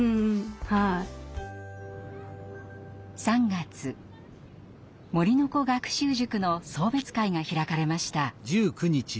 ３月「森の子学習塾」の送別会が開かれました。